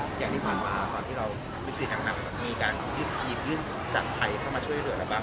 อย่างนี้ผ่านมาตอนที่เราวิธีหนัง